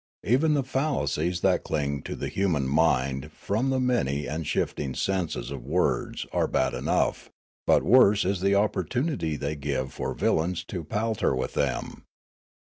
Even the fallacies that cling to the human mind from the many and shifting senses of words are bad enough, but worse is the opportunity they give for villains to palter with them.